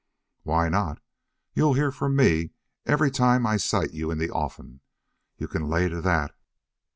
"Why not? You'll hear from me every time I sight you in the offing. You c'n lay to that!"